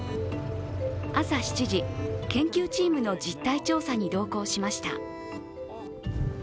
朝７時、研究チームの実態調査に同行しました。